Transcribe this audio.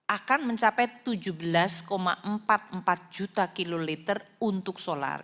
akan mencapai tujuh belas empat puluh empat juta kiloliter untuk solar